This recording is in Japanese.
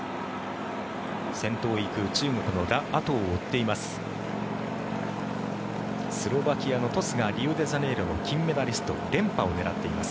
先頭を行く中国のラ・アトウを追っています。